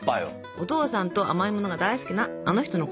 お父さんと甘いものが大好きなあの人のことなんです。